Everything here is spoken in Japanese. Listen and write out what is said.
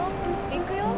いくよ。